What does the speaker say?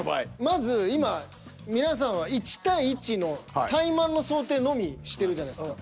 まず今皆さんは１対１のタイマンの想定のみしてるじゃないですか。